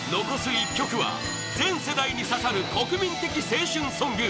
１曲は、全世代に刺さる国民的青春ソング！